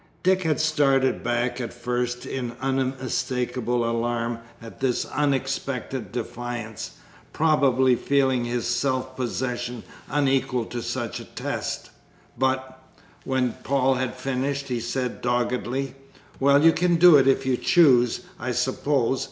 Dick had started back at first in unmistakable alarm at this unexpected defiance, probably feeling his self possession unequal to such a test; but, when Paul had finished, he said doggedly: "Well, you can do it if you choose, I suppose.